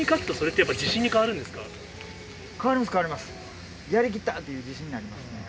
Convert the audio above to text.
やりきったという自信になりますね。